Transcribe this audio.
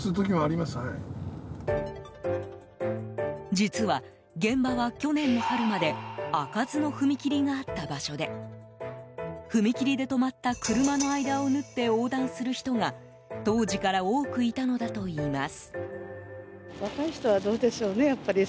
実は、現場は去年の春まで開かずの踏み切りがあった場所で踏切で止まった車の間を縫って横断する人が当時から多くいたのだといいます。